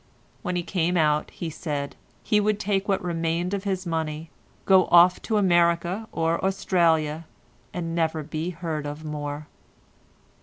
When he came out, he said, he would take what remained of his money, go off to America or Australia and never be heard of more.